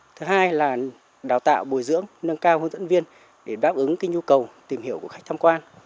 thứ hai là đào tạo bồi dưỡng nâng cao hướng dẫn viên để đáp ứng nhu cầu tìm hiểu của khách tham quan